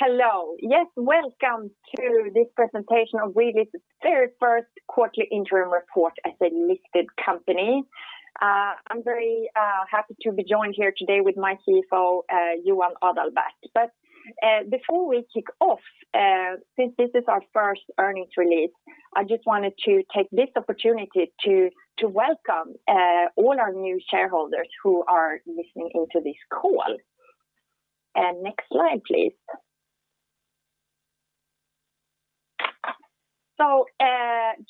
Hello. Yes, welcome to this presentation of Readly's very first quarterly interim report as a listed company. I'm very happy to be joined here today with my CFO, Johan Adalberth. Before we kick off, since this is our first earnings release, I just wanted to take this opportunity to welcome all our new shareholders who are listening into this call. Next slide, please.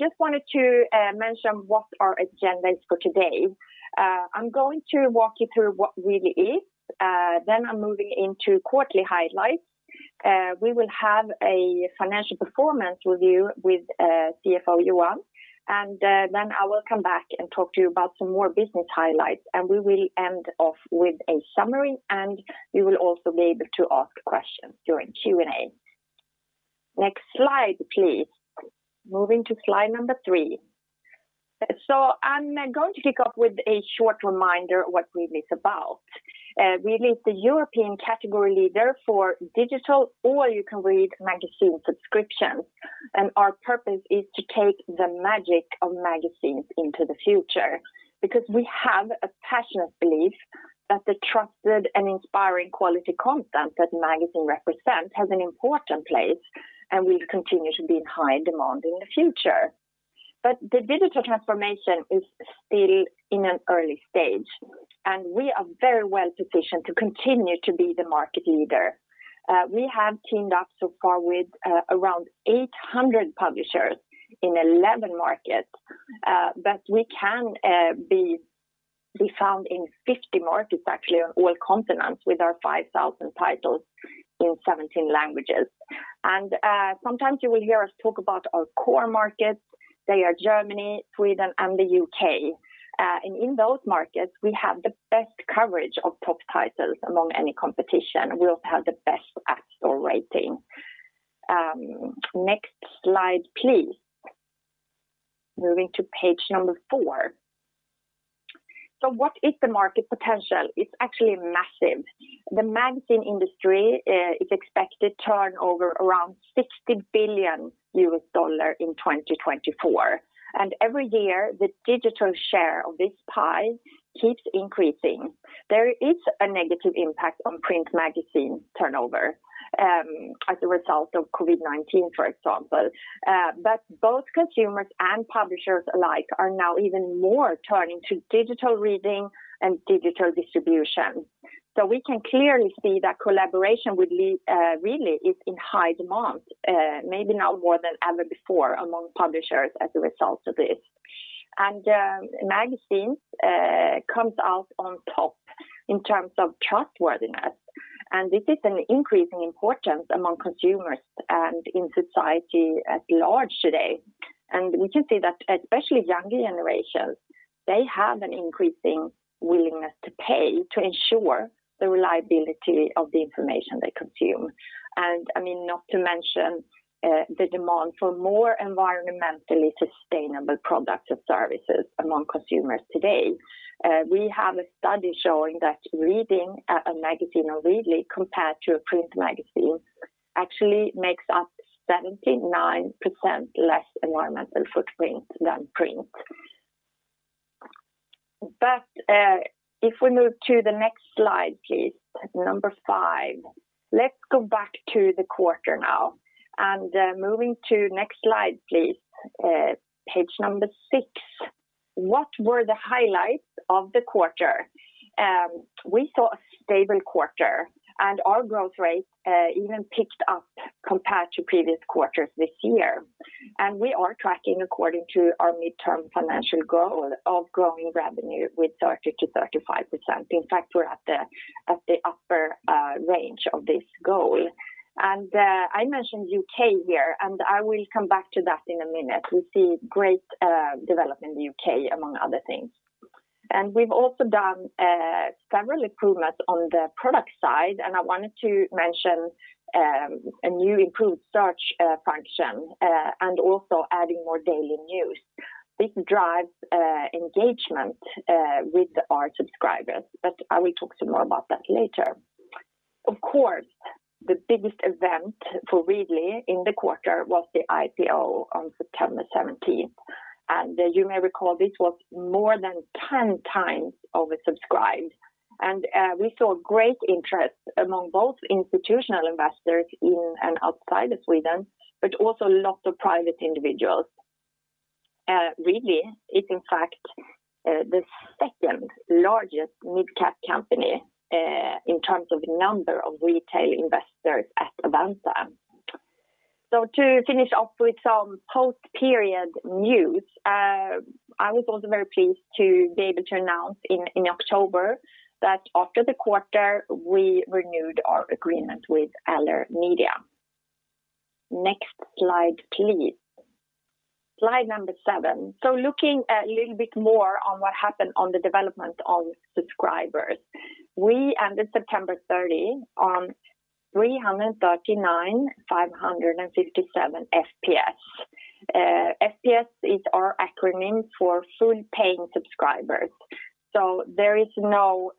Just wanted to mention what our agenda is for today. I'm going to walk you through what Readly is, then I'm moving into quarterly highlights. We will have a financial performance review with CFO Johan, and then I will come back and talk to you about some more business highlights, and we will end off with a summary, and you will also be able to ask questions during Q&A. Next slide, please. Moving to slide number three. I'm going to kick off with a short reminder what Readly's about. Readly's the European category leader for digital, all you can read magazine subscriptions, and our purpose is to take the magic of magazines into the future. Because we have a passionate belief that the trusted and inspiring quality content that magazine represents has an important place and will continue to be in high demand in the future. The digital transformation is still in an early stage, and we are very well-positioned to continue to be the market leader. We have teamed up so far with around 800 publishers in 11 markets, but we can be found in 50 markets, actually, on all continents, with our 5,000 titles in 17 languages. Sometimes you will hear us talk about our core markets. They are Germany, Sweden, and the U.K. In those markets, we have the best coverage of top titles among any competition. We also have the best app store rating. Next slide, please. Moving to page number 4. What is the market potential? It's actually massive. The magazine industry is expected turnover around $60 billion in 2024. Every year, the digital share of this pie keeps increasing. There is a negative impact on print magazine turnover, as a result of COVID-19, for example. Both consumers and publishers alike are now even more turning to digital reading and digital distribution. We can clearly see that collaboration with Readly is in high demand, maybe now more than ever before among publishers as a result of this. Magazines comes out on top in terms of trustworthiness, and this is an increasing importance among consumers and in society at large today. We can see that especially younger generations, they have an increasing willingness to pay to ensure the reliability of the information they consume. Not to mention, the demand for more environmentally sustainable products and services among consumers today. We have a study showing that reading a magazine on Readly compared to a print magazine actually makes up 79% less environmental footprint than print. If we move to the next slide, please, number five. Let's go back to the quarter now. Moving to next slide, please. Page number six. What were the highlights of the quarter? We saw a stable quarter, and our growth rate even picked up compared to previous quarters this year. We are tracking according to our midterm financial goal of growing revenue with 30%-35%. In fact, we're at the upper range of this goal. I mentioned U.K. here, and I will come back to that in a minute. We see great development in the U.K., among other things. We've also done several improvements on the product side, and I wanted to mention a new improved search function, and also adding more daily news. This drives engagement with our subscribers, but I will talk some more about that later. Of course, the biggest event for Readly in the quarter was the IPO on September 17th, and you may recall this was more than 10 times oversubscribed. We saw great interest among both institutional investors in and outside of Sweden, but also lots of private individuals. Readly is in fact the second-largest mid-cap company in terms of number of retail investors at Avanza. To finish off with some post-period news, I was also very pleased to be able to announce in October that after the quarter, we renewed our agreement with Aller Media. Next slide, please. Slide number seven. Looking a little bit more on what happened on the development of subscribers. We ended September 30th on 339,557 FPS is our acronym for Full-Paying Subscribers. There is no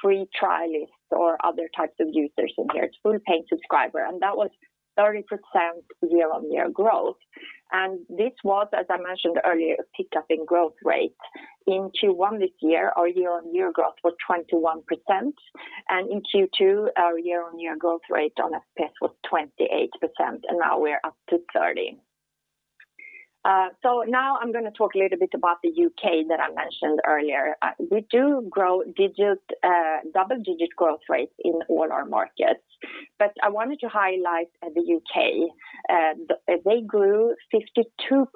free trial list or other types of users in here. It's full paying subscriber, and that was 30% year-on-year growth. This was, as I mentioned earlier, a pickup in growth rate. In Q1 this year, our year-on-year growth was 21%, and in Q2, our year-on-year growth rate on FPS was 28%, and now we're up to 30%. Now I'm going to talk a little bit about the U.K. that I mentioned earlier. We do grow double-digit growth rates in all our markets, but I wanted to highlight the U.K. They grew 52%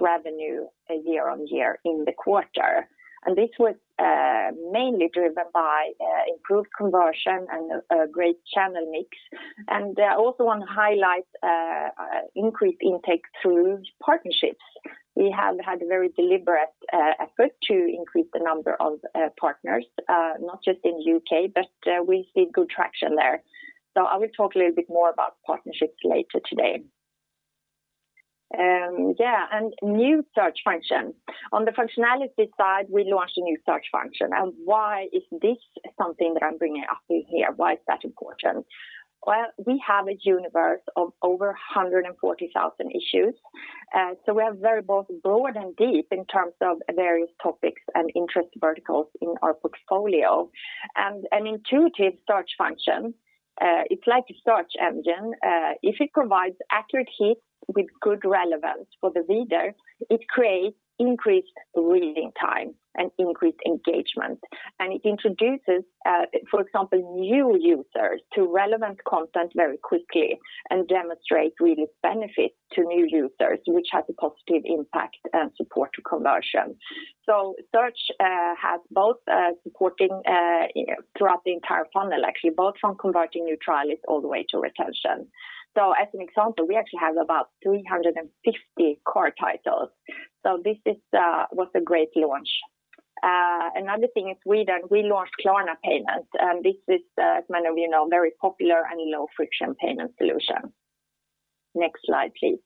revenue year-on-year in the quarter. This was mainly driven by improved conversion and a great channel mix, and I also want to highlight increased intake through partnerships. We have had a very deliberate effort to increase the number of partners, not just in the U.K., but we see good traction there. I will talk a little bit more about partnerships later today. On the functionality side, we launched a new search function. Why is this something that I'm bringing up here? Why is that important? We have a universe of over 140,000 issues. We are very both broad and deep in terms of various topics and interest verticals in our portfolio. An intuitive search function, it's like a search engine. If it provides accurate hits with good relevance for the reader, it creates increased reading time and increased engagement. It introduces, for example, new users to relevant content very quickly and demonstrate Readly benefits to new users, which has a positive impact and support to conversion. Search has both supporting throughout the entire funnel, actually, both from converting new trialists all the way to retention. As an example, we actually have about 350 core titles, so this was a great launch. Another thing in Sweden, we launched Klarna payment. This is, as many of you know, a very popular and low-friction payment solution. Next slide, please.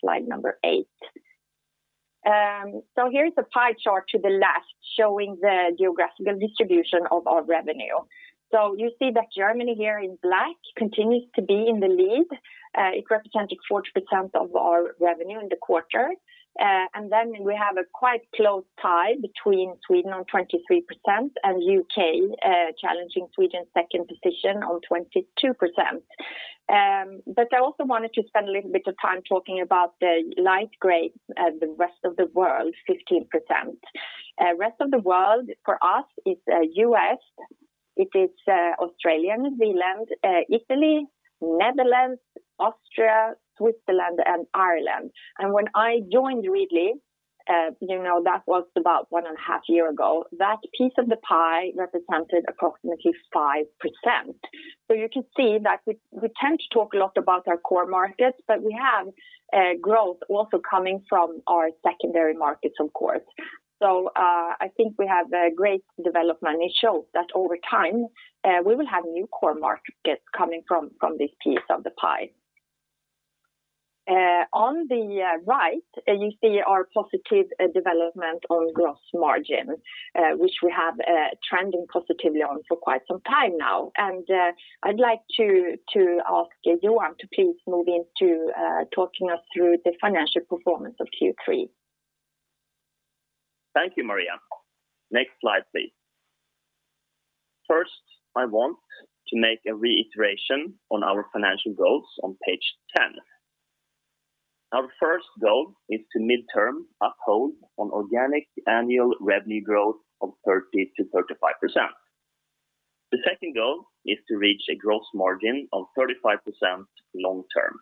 Slide number eight. Here is a pie chart to the left showing the geographical distribution of our revenue. You see that Germany here in black continues to be in the lead. It represented 40% of our revenue in the quarter. We have a quite close tie between Sweden on 23% and U.K. challenging Sweden's second position on 22%. I also wanted to spend a little bit of time talking about the light gray, the rest of the world, 15%. Rest of the world for us is U.S., it is Australia, New Zealand, Italy, Netherlands, Austria, Switzerland, and Ireland. When I joined Readly, that was about one and a half year ago, that piece of the pie represented approximately 5%. You can see that we tend to talk a lot about our core markets, but we have growth also coming from our secondary markets, of course. I think we have a great development. It shows that over time, we will have new core markets coming from this piece of the pie. On the right, you see our positive development on gross margin, which we have trending positively on for quite some time now. I'd like to ask Johan to please move into talking us through the financial performance of Q3. Thank you, Maria. Next slide, please. First, I want to make a reiteration on our financial goals on page 10. Our first goal is to midterm uphold an organic annual revenue growth of 30%-35%. The second goal is to reach a gross margin of 35% long term.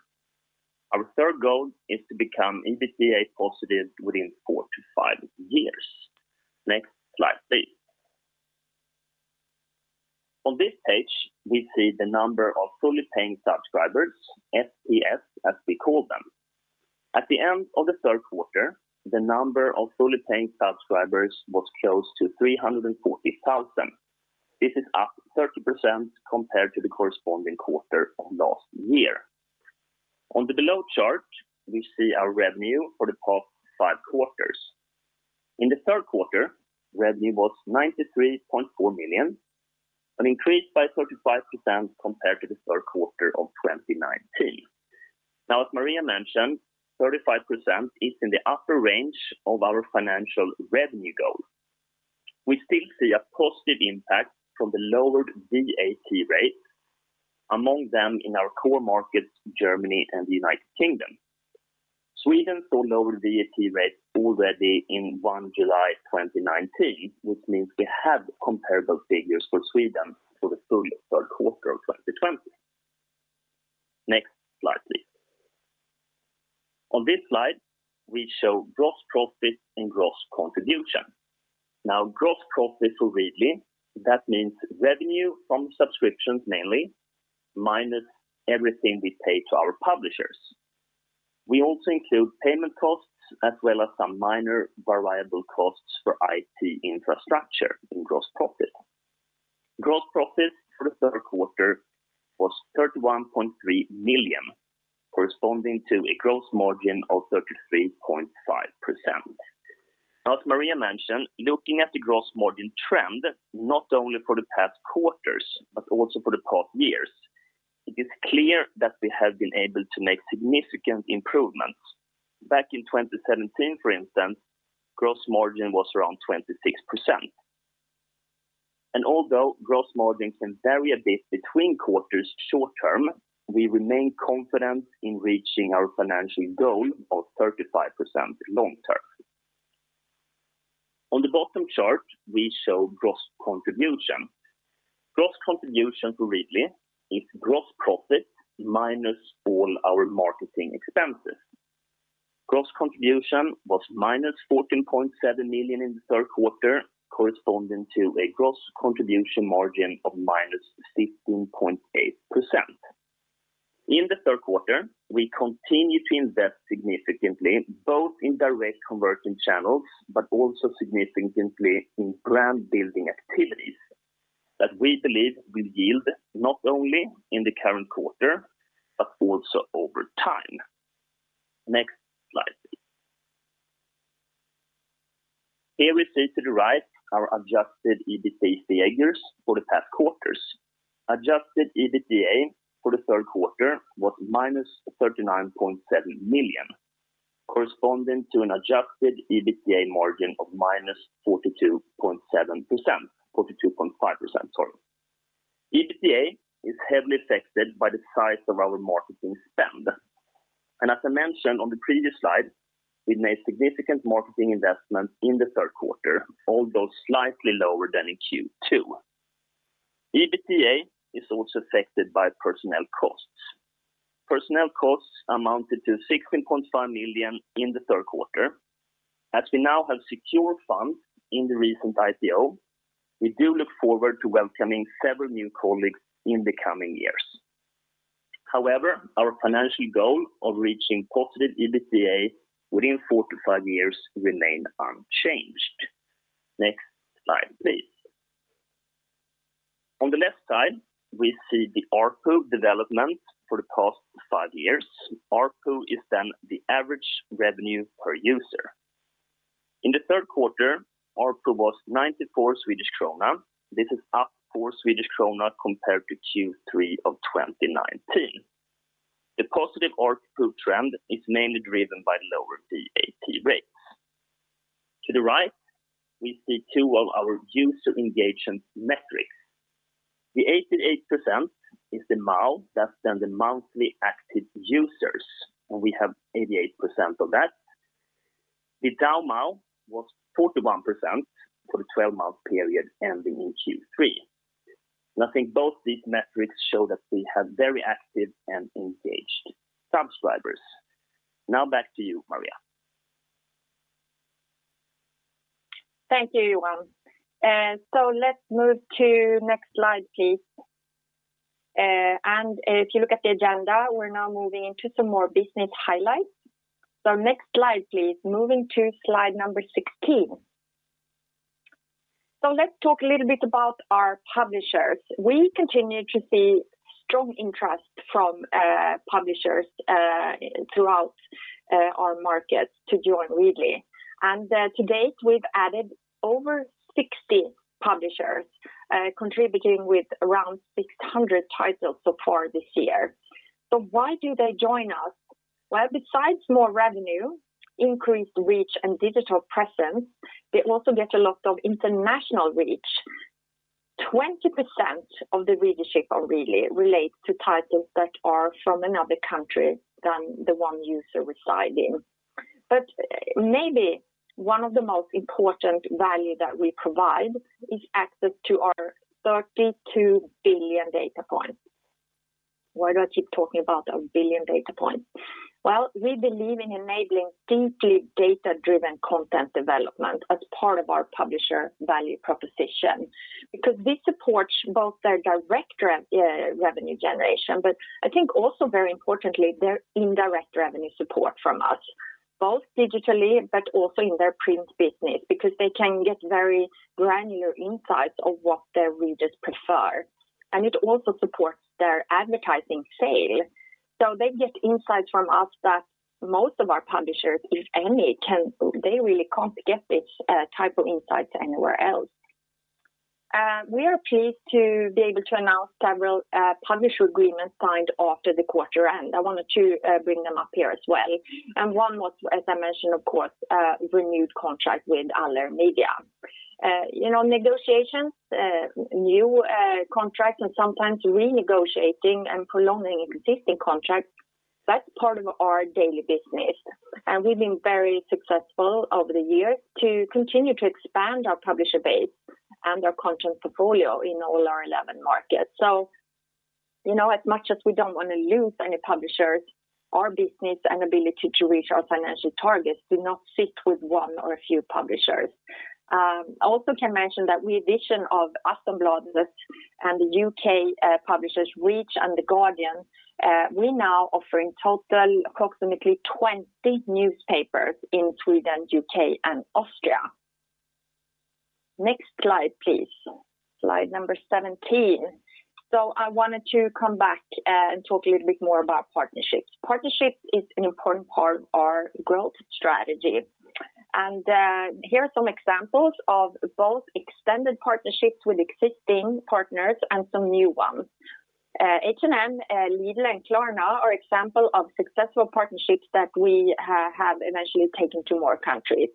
Our third goal is to become EBITDA positive within four to five years. Next slide, please. On this page, we see the number of Full-Paying Subscribers, FPS, as we call them. At the end of the third quarter, the number of Full-Paying Subscribers was close to 340,000. This is up 30% compared to the corresponding quarter of last year. On the below chart, we see our revenue for the past five quarters. In the third quarter, revenue was 93.4 million, an increase by 35% compared to the third quarter of 2019. As Maria mentioned, 35% is in the upper range of our financial revenue goal. We still see a positive impact from the lowered VAT rate, among them in our core markets, Germany and the United Kingdom. Sweden saw lower VAT rates already in 1st July 2019, which means we have comparable figures for Sweden for the full third quarter of 2020. Next slide, please. On this slide, we show gross profit and gross contribution. Gross profit for Readly, that means revenue from subscriptions mainly, minus everything we pay to our publishers. We also include payment costs as well as some minor variable costs for IT infrastructure in gross profit. Gross profit for the third quarter was 31.3 million, corresponding to a gross margin of 33.5%. As Maria mentioned, looking at the gross margin trend, not only for the past quarters, but also for the past years, it is clear that we have been able to make significant improvements. Back in 2017, for instance, gross margin was around 26%. Although gross margin can vary a bit between quarters short-term, we remain confident in reaching our financial goal of 35% long-term. On the bottom chart, we show gross contribution. Gross contribution for Readly is gross profit minus all our marketing expenses. Gross contribution was -14.7 million in the third quarter, corresponding to a gross contribution margin of -15.8%. In the third quarter, we continued to invest significantly, both in direct converting channels, but also significantly in brand building activities that we believe will yield not only in the current quarter, but also over time. Next slide, please. Here we see to the right our adjusted EBITDA figures for the past quarters. Adjusted EBITDA for the third quarter was -39.7 million, corresponding to an adjusted EBITDA margin of -42.5%. EBITDA is heavily affected by the size of our marketing spend. As I mentioned on the previous slide, we made significant marketing investments in the third quarter, although slightly lower than in Q2. EBITDA is also affected by personnel costs. Personnel costs amounted to 16.5 million in the third quarter. As we now have secure funds in the recent IPO, we do look forward to welcoming several new colleagues in the coming years. However, our financial goal of reaching positive EBITDA within four to five years remain unchanged. Next slide, please. On the left side, we see the ARPU development for the past five years. ARPU is the average revenue per user. In the third quarter, ARPU was 94 Swedish krona. This is up four SEK compared to Q3 of 2019. The positive ARPU trend is mainly driven by lower VAT rates. To the right, we see two of our user engagement metrics. The 88% is the MAU, that's then the monthly active users, and we have 88% of that. The DAU/MAU was 41% for the 12-month period ending in Q3. I think both these metrics show that we have very active and engaged subscribers. Now back to you, Maria. Thank you, Johan. Let's move to next slide, please. If you look at the agenda, we're now moving into some more business highlights. Next slide, please. Moving to slide number 16. Let's talk a little bit about our publishers. We continue to see strong interest from publishers throughout our markets to join Readly. To date, we've added over 60 publishers, contributing with around 600 titles so far this year. Why do they join us? Well, besides more revenue, increased reach, and digital presence, they also get a lot of international reach. 20% of the readership of Readly relates to titles that are from another country than the one user reside in. Maybe one of the most important value that we provide is access to our 32 billion data points. Why do I keep talking about our billion data points? Well, we believe in enabling deeply data-driven content development as part of our publisher value proposition, because this supports both their direct revenue generation. I think also very importantly, their indirect revenue support from us, both digitally but also in their print business, because they can get very granular insights of what their readers prefer. It also supports their advertising sale. They get insights from us that most of our publishers, if any, they really can't get this type of insights anywhere else. We are pleased to be able to announce several publisher agreements signed after the quarter end. I wanted to bring them up here as well. One was, as I mentioned, of course, renewed contract with Aller Media. Negotiations, new contracts, and sometimes renegotiating and prolonging existing contracts, that's part of our daily business. We've been very successful over the years to continue to expand our publisher base and our content portfolio in all our 11 markets. As much as we don't want to lose any publishers, our business and ability to reach our financial targets do not sit with one or a few publishers. Also can mention that with the addition of Aftonbladet and the U.K. publishers Reach and The Guardian, we're now offering total approximately 20 newspapers in Sweden, U.K., and Austria. Next slide, please. Slide number 17. I wanted to come back and talk a little bit more about partnerships. Partnerships is an important part of our growth strategy. Here are some examples of both extended partnerships with existing partners and some new ones. H&M, Lidl, and Klarna are example of successful partnerships that we have eventually taken to more countries.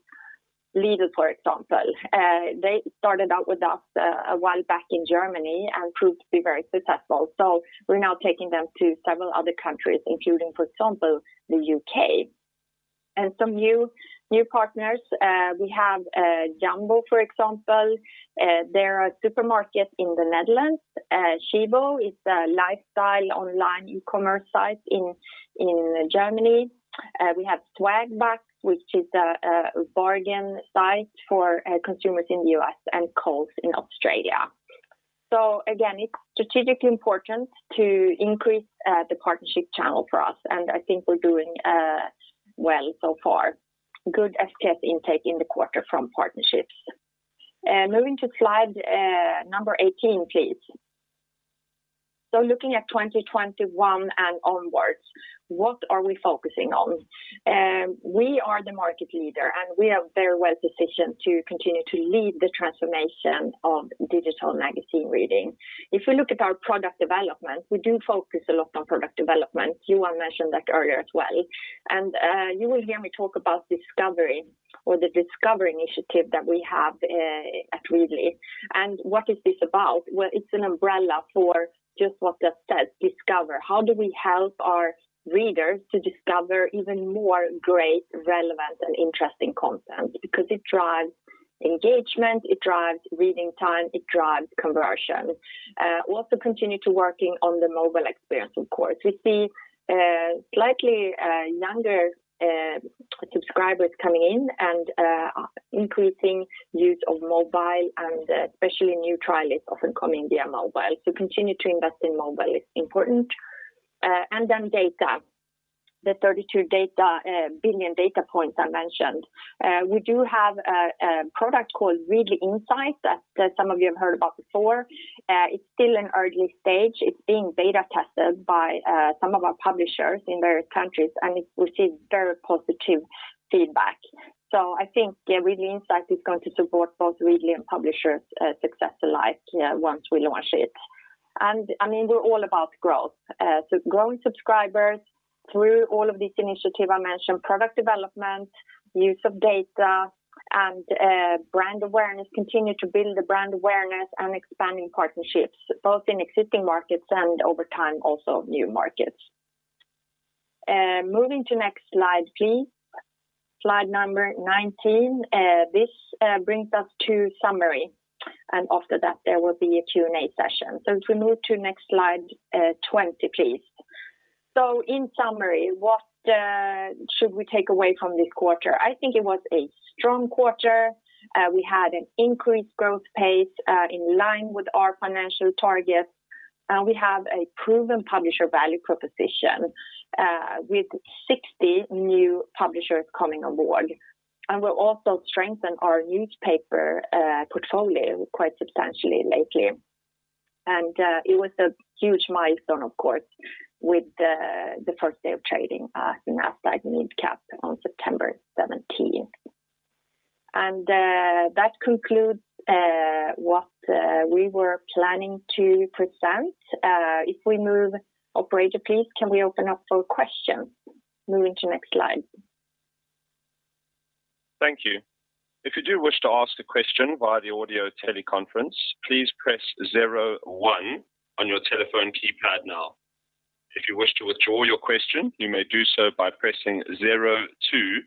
Lidl, for example, they started out with us a while back in Germany and proved to be very successful. We're now taking them to several other countries, including, for example, the U.K. Some new partners, we have Jumbo, for example. They're a supermarket in the Netherlands. Sheego is a lifestyle online e-commerce site in Germany. We have Swagbucks, which is a bargain site for consumers in the U.S., and Coles in Australia. Again, it's strategically important to increase the partnership channel for us, and I think we're doing well so far. Good FPS intake in the quarter from partnerships. Moving to slide number 18, please. Looking at 2021 and onwards, what are we focusing on? We are the market leader, and we are very well positioned to continue to lead the transformation of digital magazine reading. If we look at our product development, we do focus a lot on product development. Johan mentioned that earlier as well. You will hear me talk about discovery or the Discovery Initiative that we have at Readly. What is this about? Well, it's an umbrella for just what that says, discover. How do we help our readers to discover even more great relevant and interesting content? It drives engagement, it drives reading time, it drives conversion. Continue to working on the mobile experience, of course. We see slightly younger subscribers coming in and increasing use of mobile and especially new trials often coming via mobile. Continue to invest in mobile, it's important. Data, the 32 billion data points I mentioned. We do have a product called Readly Insights that some of you have heard about before. It's still in early stage. It's being beta tested by some of our publishers in various countries, and it received very positive feedback. I think Readly Insights is going to support both Readly and publishers success alike once we launch it. We're all about growth. Growing subscribers through all of these initiative I mentioned, product development, use of data, and brand awareness. We continue to build the brand awareness and expanding partnerships both in existing markets and over time, also new markets. Moving to next slide, please. Slide number 19. This brings us to summary. After that, there will be a Q&A session. If we move to next slide, 20, please. In summary, what should we take away from this quarter? I think it was a strong quarter. We had an increased growth pace in line with our financial targets. We have a proven publisher value proposition, with 60 new publishers coming on board. We're also strengthened our newspaper portfolio quite substantially lately. It was a huge milestone, of course, with the first day of trading at Nasdaq Mid Cap on September 17th. That concludes what we were planning to present. If we move, operator please, can we open up for questions? Moving to next slide. Thank you. If you do wish to ask a question via the audio teleconference, please press zero one on your telephone keypad now. If you wish to withdraw your question, you may do so by pressing zero two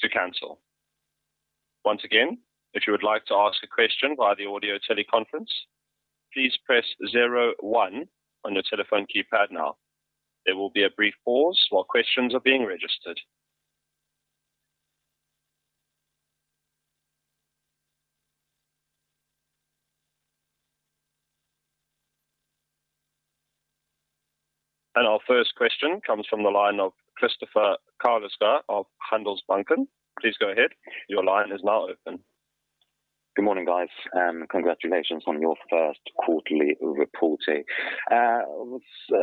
to cancel. Once again, if you would like to ask a question via the audio teleconference, please press zero one on your telephone keypad now. There will be a brief pause while questions are being registered. Our first question comes from the line of Kristoffer Carleskär of Handelsbanken. Please go ahead. Your line is now open. Good morning, guys, and congratulations on your first quarterly reporting. I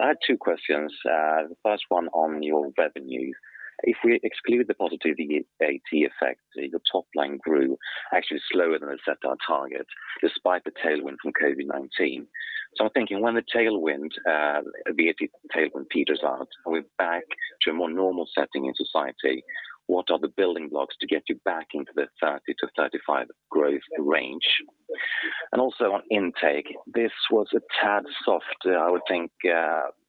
had two questions. The first one on your revenue. If we exclude the positive VAT effect, the top line grew actually slower than the set target despite the tailwind from COVID-19. I'm thinking when the tailwind peters out and we're back to a more normal setting in society, what are the building blocks to get you back into the 30%-35% growth range? Also on intake, this was a tad soft, I would think,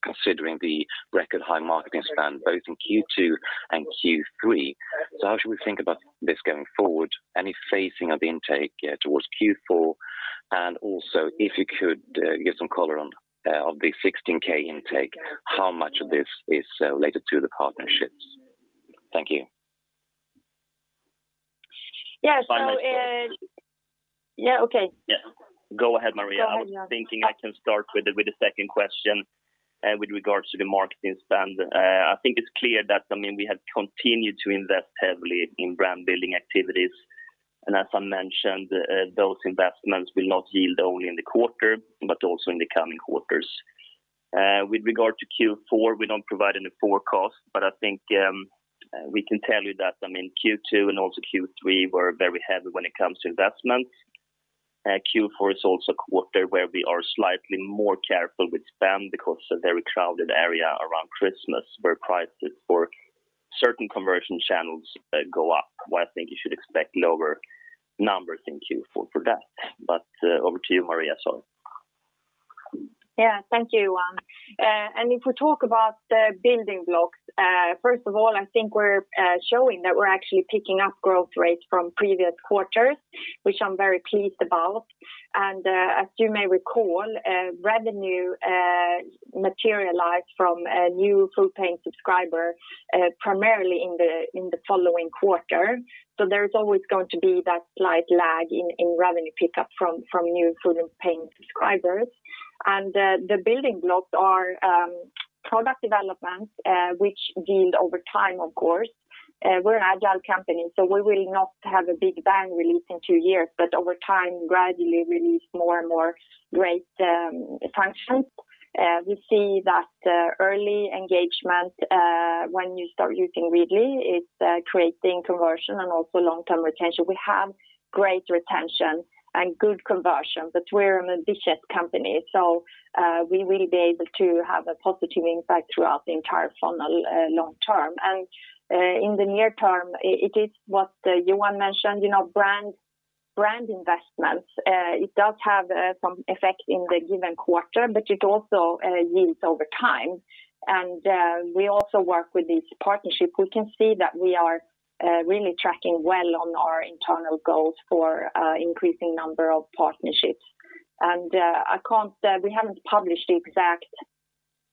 considering the record high marketing spend both in Q2 and Q3. How should we think about this going forward? Any phasing of the intake towards Q4? Also, if you could give some color of the 16K intake, how much of this is related to the partnerships? Thank you. Yeah. By my calculations. Yeah. Okay. Yeah. Go ahead, Maria. Go ahead, Johan. I was thinking I can start with the second question. With regards to the marketing spend, I think it's clear that we have continued to invest heavily in brand-building activities. As I mentioned, those investments will not yield only in the quarter but also in the coming quarters. With regard to Q4, we don't provide any forecast. I think we can tell you that Q2 and also Q3 were very heavy when it comes to investments. Q4 is also a quarter where we are slightly more careful with spend because it's a very crowded area around Christmas where prices for certain conversion channels go up. Where I think you should expect lower numbers in Q4 for that. Over to you, Maria. Yeah, thank you, Johan. If we talk about the building blocks, first of all, I think we're showing that we're actually picking up growth rates from previous quarters, which I'm very pleased about. As you may recall, revenue materialized from new full-paying subscribers primarily in the following quarter. There's always going to be that slight lag in revenue pickup from new full and paying subscribers. The building blocks are product developments, which yield over time, of course. We're an agile company, so we will not have a big bang release in two years, but over time, gradually release more and more great functions. We see that early engagement, when you start using Readly, it's creating conversion and also long-term retention. We have great retention and good conversion, but we're an ambitious company, so we will be able to have a positive impact throughout the entire funnel long term. In the near term, it is what Johan mentioned, brand investments. It does have some effect in the given quarter, but it also yields over time. We also work with this partnership. We can see that we are really tracking well on our internal goals for increasing number of partnerships. We haven't published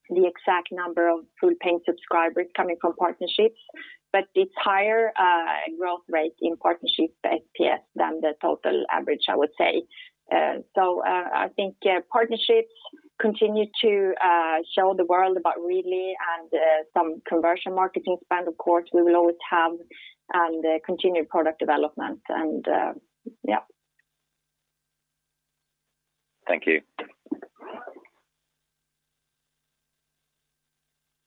the exact number of Full-Paying Subscribers coming from partnerships, but it's higher growth rate in partnerships FPS than the total average, I would say. I think partnerships continue to show the world about Readly and some conversion marketing spend, of course, we will always have, and continued product development. Thank you.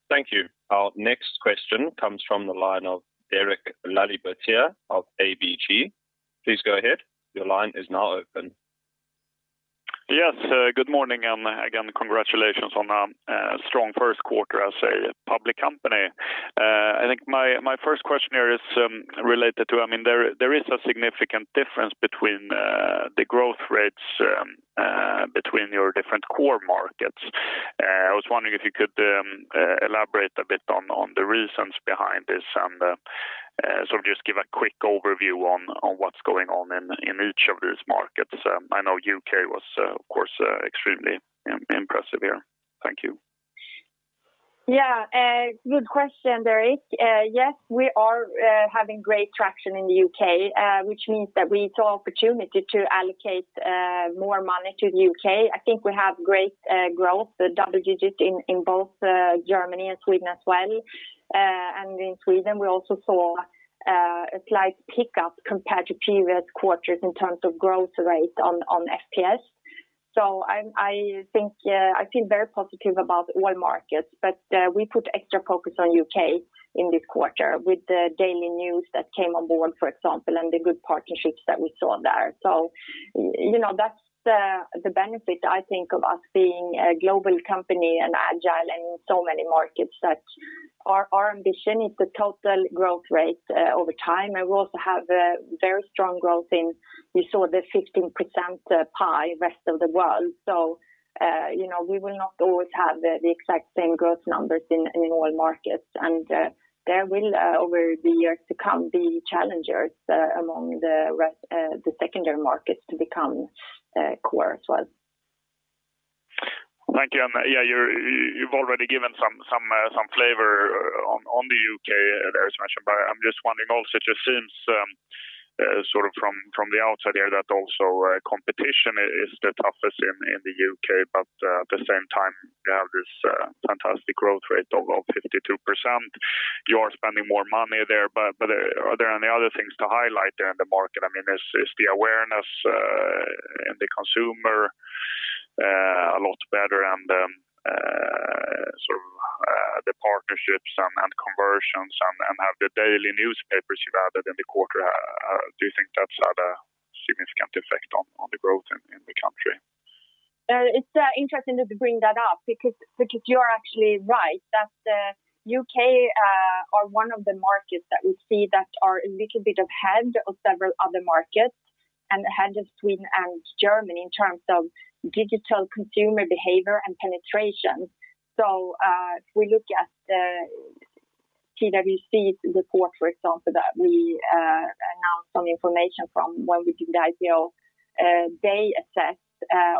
Thank you. Our next question comes from the line of Derek Laliberté of ABG. Please go ahead. Yes, good morning, and again, congratulations on a strong first quarter as a public company. I think my first question here is related to, there is a significant difference between the growth rates between your different core markets. I was wondering if you could elaborate a bit on the reasons behind this and sort of just give a quick overview on what's going on in each of these markets. I know U.K. was, of course, extremely impressive here. Thank you. Yeah. Good question, Derek. Yes, we are having great traction in the U.K., which means that we saw opportunity to allocate more money to the U.K. I think we have great growth, double digits in both Germany and Sweden as well. In Sweden, we also saw a slight pickup compared to previous quarters in terms of growth rate on FPS. I feel very positive about all markets, but we put extra focus on the U.K. in this quarter with the Daily News that came on board, for example, and the good partnerships that we saw there. That's the benefit, I think, of us being a global company and agile and in so many markets that our ambition is the total growth rate over time. We also have a very strong growth in, we saw the 15% pie rest of the world. We will not always have the exact same growth numbers in all markets. There will, over the years to come, be challengers among the secondary markets to become core as well. Thank you. Yeah, you've already given some flavor on the U.K. there, as mentioned, but I'm just wondering also, it just seems sort of from the outside there that also competition is the toughest in the U.K., but at the same time, you have this fantastic growth rate of 52%. You are spending more money there, are there any other things to highlight there in the market? Is the awareness in the consumer a lot better and the partnerships and conversions and have the daily newspapers you've added in the quarter, do you think that's had a significant effect on the growth in the country? It's interesting that you bring that up because you are actually right that U.K. are one of the markets that we see that are a little bit ahead of several other markets and ahead of Sweden and Germany in terms of digital consumer behavior and penetration. If we look at the PwC report, for example, that we saw some information from when we did the IPO.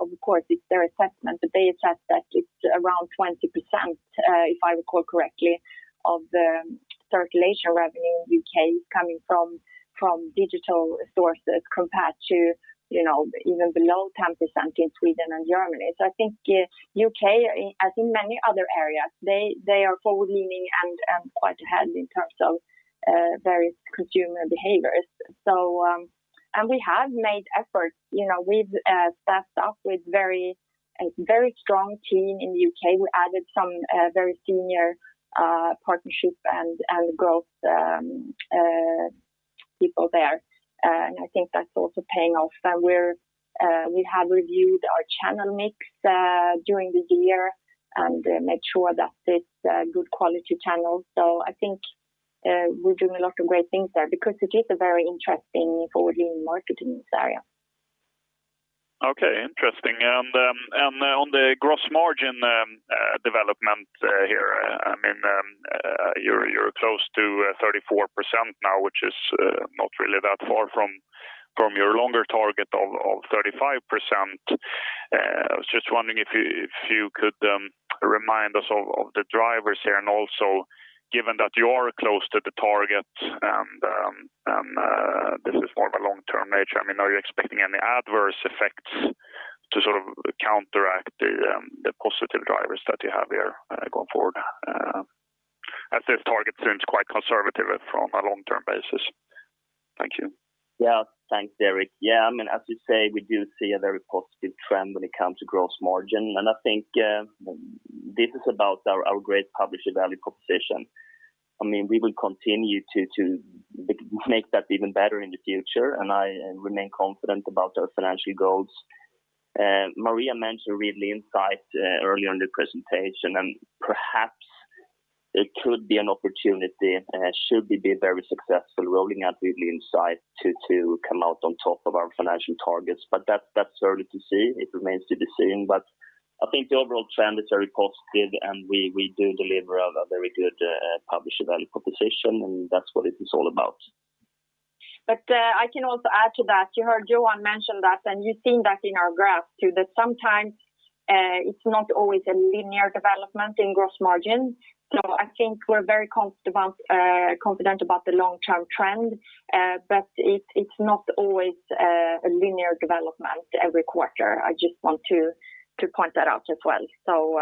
Of course, it's their assessment, but they assessed that it's around 20%, if I recall correctly, of the circulation revenue in U.K. coming from digital sources compared to even below 10% in Sweden and Germany. I think U.K., as in many other areas. They are forward-leaning and quite ahead in terms of various consumer behaviors. We have made efforts. We've staffed up with a very strong team in the U.K. We added some very senior partnership and growth people there, and I think that's also paying off. We have reviewed our channel mix during the year and made sure that it's good quality channels. I think we're doing a lot of great things there because it is a very interesting forward-leaning market in this area. Okay, interesting. On the gross margin development here, you're close to 34% now, which is not really that far from your longer target of 35%. I was just wondering if you could remind us of the drivers here, and also given that you are close to the target, and this is more of a long-term nature, are you expecting any adverse effects to counteract the positive drivers that you have here going forward? As this target seems quite conservative from a long-term basis. Thank you. Thanks, Derek. As you say, we do see a very positive trend when it comes to gross margin, and I think this is about our great publisher value proposition. We will continue to make that even better in the future, and I remain confident about our financial goals. Maria mentioned Readly Insights earlier in the presentation, and perhaps it could be an opportunity, should we be very successful rolling out Readly Insights to come out on top of our financial targets. That's early to see. It remains to be seen, I think the overall trend is very positive, and we do deliver a very good publisher value proposition, and that's what this is all about. I can also add to that. You heard Johan mention that, and you've seen that in our graphs too, that sometimes it's not always a linear development in gross margin. I think we're very confident about the long-term trend, but it's not always a linear development every quarter. I just want to point that out as well.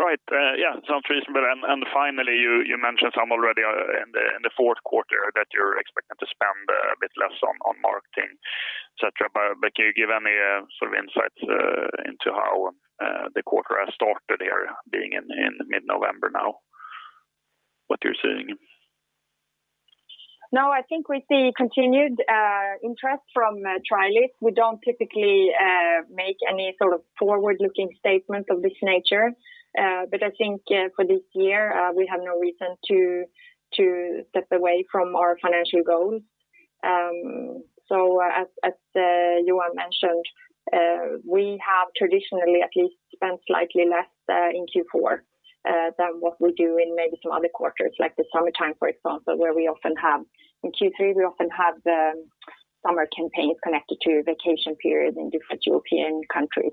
Right. Yeah, sounds reasonable. Finally, you mentioned some already in the fourth quarter that you're expecting to spend a bit less on marketing, et cetera. Can you give any sort of insights into how the quarter has started there, being in mid-November now, what you're seeing? No, I think we see continued interest from trialists. We don't typically make any sort of forward-looking statements of this nature. I think for this year, we have no reason to step away from our financial goals. As Johan mentioned, we have traditionally at least spent slightly less in Q4 than what we do in maybe some other quarters, like the summertime, for example, where in Q3 we often have the summer campaigns connected to vacation periods in different European countries.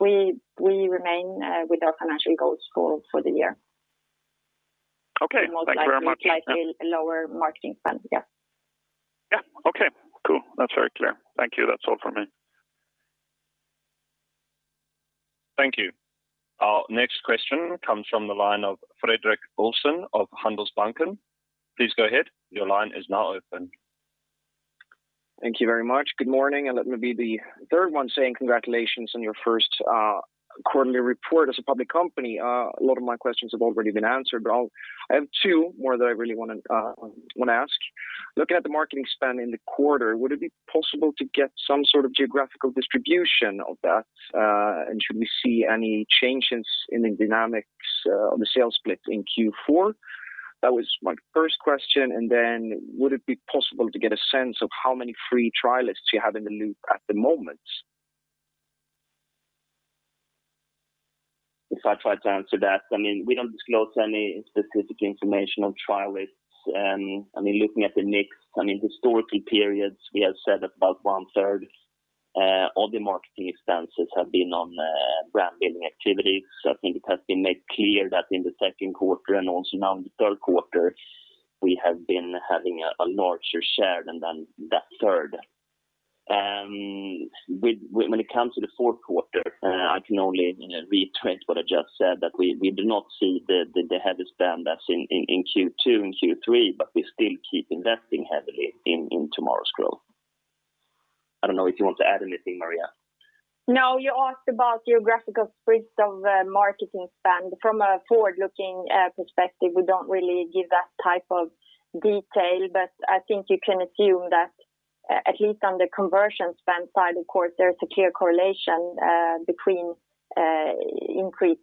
We remain with our financial goals for the year. Okay. Thank you very much. Most likely slightly lower marketing spend. Yeah. Yeah. Okay, cool. That is very clear. Thank you. That is all from me. Thank you. Our next question comes from the line of Fredrik Olsson of Handelsbanken. Please go ahead. Your line is now open. Thank you very much. Good morning, let me be the third one saying congratulations on your first quarterly report as a public company. A lot of my questions have already been answered, I have two more that I really want to ask. Looking at the marketing spend in the quarter, would it be possible to get some sort of geographical distribution of that? Should we see any changes in the dynamics of the sales split in Q4? That was my first question. Would it be possible to get a sense of how many free trialists you have in the loop at the moment? If I try to answer that, we don't disclose any specific information on trialists. Looking at the mix, historically periods, we have said about one third of the marketing expenses have been on brand building activities. I think it has been made clear that in the second quarter and also now in the third quarter, we have been having a larger share than that third. When it comes to the fourth quarter, I can only reiterate what I just said, that we do not see the heavy spend that's in Q2 and Q3, but we still keep investing heavily in tomorrow's growth. I don't know if you want to add anything, Maria. No, you asked about geographical spread of marketing spend. From a forward-looking perspective, we don't really give that type of detail. I think you can assume that at least on the conversion spend side, of course, there's a clear correlation between increase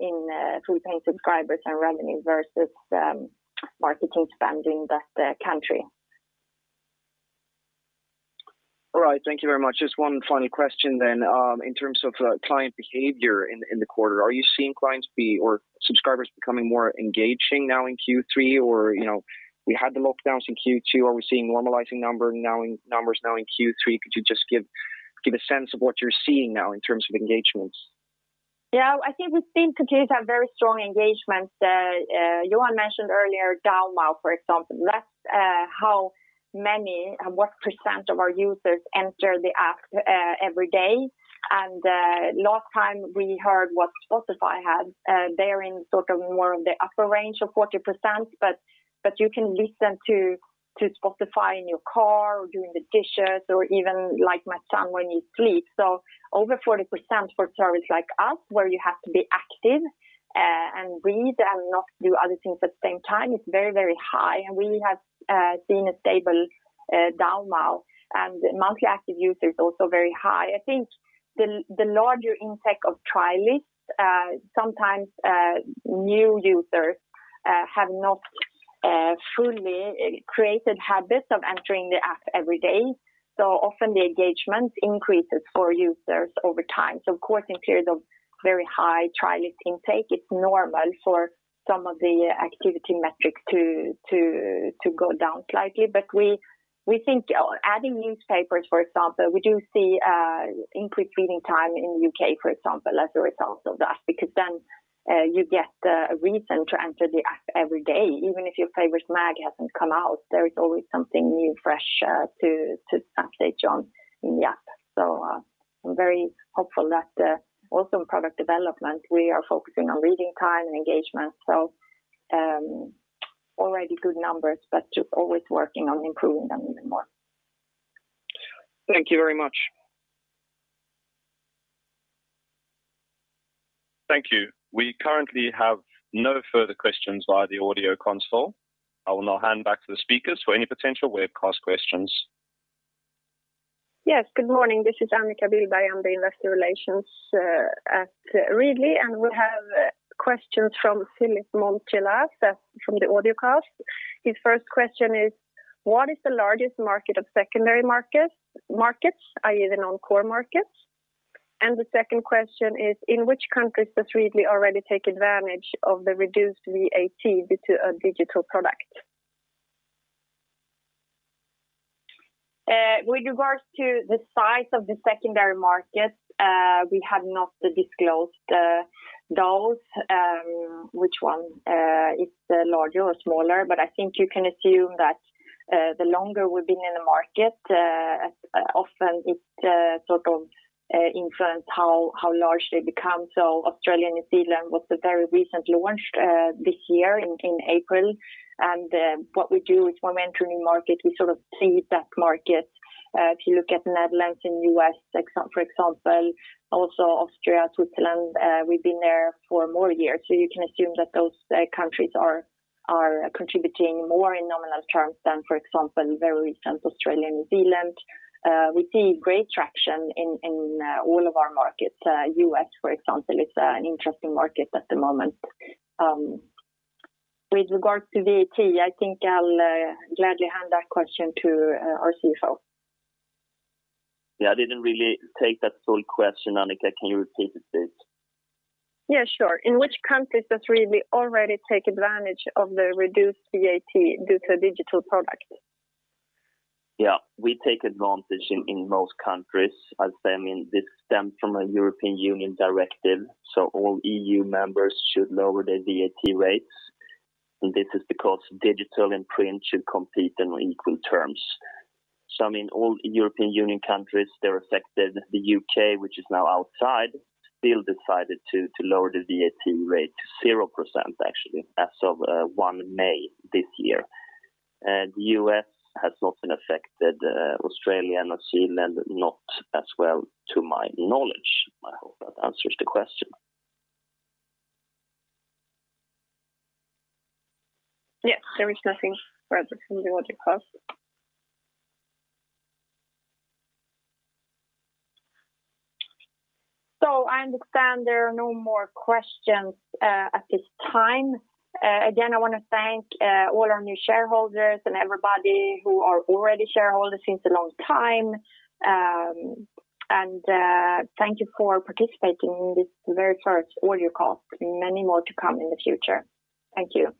in Full-Paying Subscribers and revenue versus marketing spend in that country. All right. Thank you very much. Just one final question then. In terms of client behavior in the quarter, are you seeing clients or subscribers becoming more engaging now in Q3? We had the lockdowns in Q2. Are we seeing normalizing numbers now in Q3? Could you just give a sense of what you're seeing now in terms of engagements? Yeah, I think we seem to have very strong engagements. Johan mentioned earlier DAU MAU, for example. That's how many and what percent of our users enter the app every day. Last time we heard what Spotify had, they're in sort of more of the upper range of 40%, but you can listen to Spotify in your car or doing the dishes or even like my son when he sleeps. Over 40% for a service like us where you have to be active and read and not do other things at the same time, it's very high. We have seen a stable DAU MAU and monthly active users also very high. I think the larger intake of trialists, sometimes, new users have not fully created habits of entering the app every day. Often the engagement increases for users over time. Of course, in periods of very high trialist intake, it's normal for some of the activity metrics to go down slightly. We think adding newspapers, for example, we do see increased reading time in U.K., for example, as a result of that, because then, you get a reason to enter the app every day. Even if your favorite mag hasn't come out, there is always something new, fresh to update Johan in the app. I'm very hopeful that also in product development, we are focusing on reading time and engagement. Already good numbers, but just always working on improving them even more. Thank you very much. Thank you. We currently have no further questions via the audio console. I will now hand back to the speakers for any potential webcast questions. Yes. Good morning. This is Annika Billberg. I'm the investor relations at Readly. We have questions from Philippe de Mont-Réal from the audio cast. His first question is: What is the largest market of secondary markets, i.e., the non-core markets? The second question is: In which countries does Readly already take advantage of the reduced VAT due to a digital product? With regards to the size of the secondary market, we have not disclosed those, which one is larger or smaller. I think you can assume that, the longer we've been in the market, often it sort of influence how large they become. Australia and New Zealand was very recently launched this year in April. What we do is when we enter a new market, we sort of seed that market. If you look at the Netherlands and U.S., for example, also Austria, Switzerland, we've been there for more years. You can assume that those countries are contributing more in nominal terms than, for example, very recent Australia and New Zealand. We see great traction in all of our markets. U.S., for example, is an interesting market at the moment. With regards to VAT, I think I'll gladly hand that question to our CFO. Yeah, I didn't really take that full question, Annika. Can you repeat it, please? Yeah, sure. In which countries does Readly already take advantage of the reduced VAT due to digital product? Yeah, we take advantage in most countries, as they mean this stemmed from a European Union directive. All EU members should lower their VAT rates. This is because digital and print should compete on equal terms. All European Union countries, they're affected. The UK, which is now outside, still decided to lower the VAT rate to 0%, actually, as of 1st May this year. U.S. has not been affected. Australia and New Zealand not as well to my knowledge. I hope that answers the question. Yes. There is nothing further from the audio cast. I understand there are no more questions at this time. Again, I want to thank all our new shareholders and everybody who are already shareholders since a long time. Thank you for participating in this very first audio cast, and many more to come in the future. Thank you.